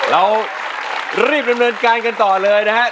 เรารีบดำเนินการกันต่อเลยนะครับ